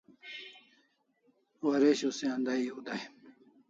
Waresho se andai ew dai